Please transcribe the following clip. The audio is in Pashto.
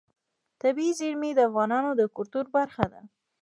طبیعي زیرمې د افغانانو د ګټورتیا برخه ده.